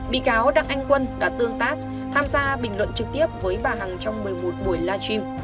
bị cáo đặng anh quân đã tương tác tham gia bình luận trực tiếp với bà hằng trong một mươi một buổi live stream